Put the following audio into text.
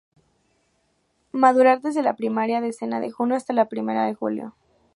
Maduran desde la primera decena de junio hasta la primera de julio.